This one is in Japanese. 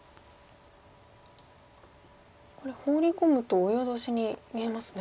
これホウリ込むとオイオトシに見えますね。